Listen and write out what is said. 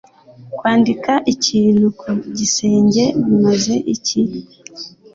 Kwandika ikintu ku gisenge bimaze iki?